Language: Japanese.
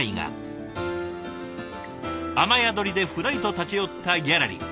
雨宿りでふらりと立ち寄ったギャラリー。